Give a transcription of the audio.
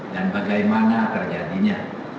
dan bagaimana terjadinya